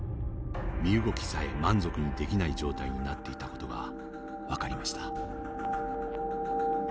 身動きさえ満足にできない状態になっていた事が分かりました。